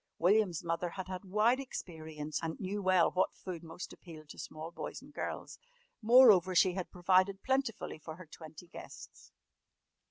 William's mother had had wide experience and knew well what food most appealed to small boys and girls. Moreover she had provided plentifully for her twenty guests.